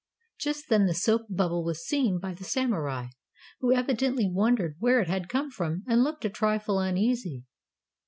Just then the soap bubble was seen by the Samurai, who evidently wondered where it had come from, and looked a trifle uneasy.